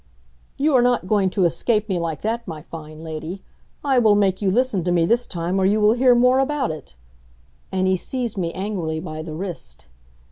"You are not going to escape me like that, my fine lady. I will make you listen to me this time or you will hear more about it," and he seized me angrily by the wrist.